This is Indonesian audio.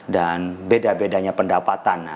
dan beda bedanya pendapatan